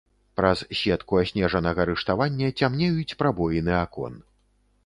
Праз сетку аснежанага рыштавання цямнеюць прабоіны акон.